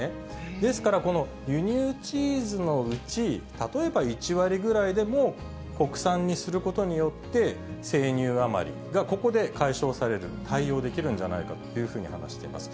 ですから、この輸入チーズのうち、例えば１割ぐらいでも国産にすることによって、生乳余りがここで解消される、対応できるんじゃないかというふうに話しています。